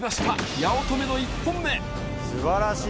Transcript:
八乙女の１本目。